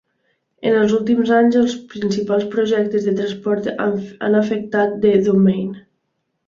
En els últims anys, els principals projectes de transport han afectat The Domain.